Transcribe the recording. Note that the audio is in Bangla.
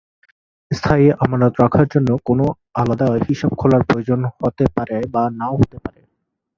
স্থায়ী আমানত রাখার জন্য কোন আলাদা হিসাব খোলার প্রয়োজন হতে পারে বা নাও হতে পারে।